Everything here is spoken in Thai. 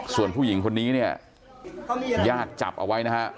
ส่วนผู้หญิงคนนี้เนี่ยญาติจับเอาไว้นะฮะ